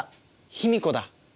卑弥呼だ！